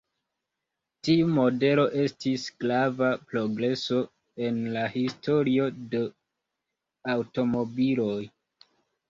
Tiu modelo estis grava progreso en la historio de aŭtomobiloj.